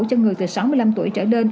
cho người từ sáu mươi năm tuổi trở lên